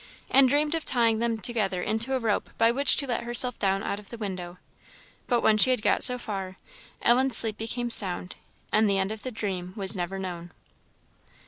and dreamed of tying them together into a rope by which to let herself down out of the window; but when she had got so far, Ellen's sleep became sound, and the end of the dream was never known.